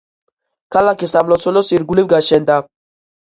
ქალაქი სამლოცველოს ირგვლივ გაშენდა.